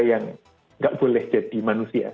yang nggak boleh jadi manusia